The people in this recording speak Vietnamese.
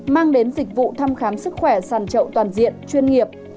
mang đến dịch vụ thăm khám sức khỏe sàn trậu toàn diện chuyên nghiệp